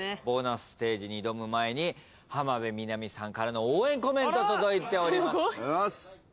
ボーナスステージに挑む前に浜辺美波さんからの応援コメント届いております。